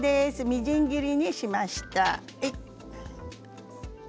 みじん切りにしました。